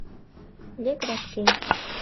Лек вашке!..